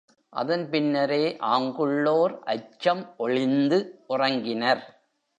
அதன் பின்னரே, ஆங்குள்ளோர் அச்சம் ஒழிந்து உறங்கினர்.